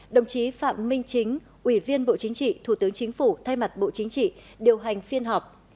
đồng chí phạm minh chính ủy viên bộ chính trị thủ tướng chính phủ thay mặt bộ chính trị điều hành phiên họp